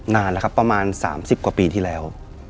นานแล้วครับประมาณ๓๐กว่าปีที่แล้ว